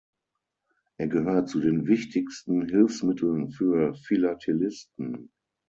Er gehört zu den wichtigsten Hilfsmitteln für Philatelisten.